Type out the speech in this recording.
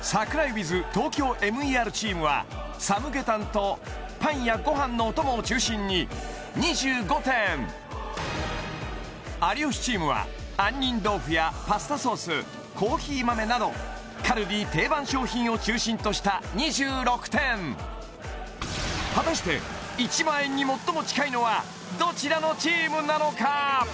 ｗｉｔｈＴＯＫＹＯＭＥＲチームはサムゲタンとパンやご飯のお供を中心に２５点有吉チームは杏仁豆腐やパスタソースコーヒー豆などカルディ定番商品を中心とした２６点果たして１万円に最も近いのはどちらのチームなのか？